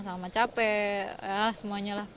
sama capek semuanya lah